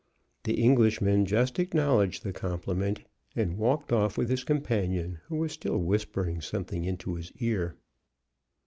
The Englishman just acknowledged the compliment, and walked off with his companion, who was still whispering something into his ear.